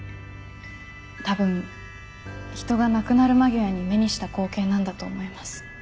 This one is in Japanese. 多分人が亡くなる間際に目にした光景なんだと思います。